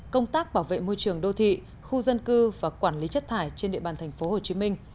công tác bảo vệ môi trường đô thị khu dân cư và quản lý chất thải trên địa bàn tp hcm